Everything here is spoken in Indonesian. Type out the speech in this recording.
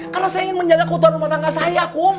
karena saya ingin menjaga keutuhan rumah tangga saya kom